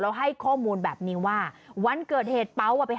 แล้วให้ข้อมูลแบบนี้ว่าวันเกิดเหตุเป๋าไปหา